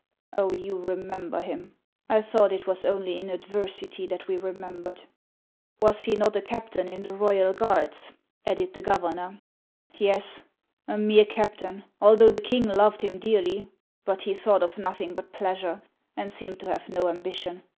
" Oh, you remember him ! I thought it was only in adversity that we remembered." " Was he not a captain in the Royal Guards ?" added the governor. "Yes, a mere captain, although the king loved him dearly. But he thought of nothing but pleasure, and seemed to have no ambition.